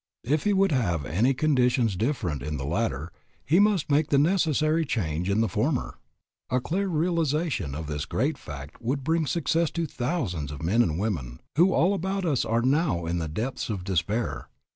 If he would have any conditions different in the latter he must make the necessary change in the former. A clear realization of this great fact would bring success to thousands of men and women who all about us are now in the depths of despair.